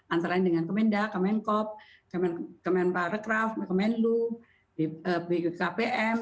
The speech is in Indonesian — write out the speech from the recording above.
antara lain dengan kemenda kemenkop kemenparekraft kemenlu bgkpm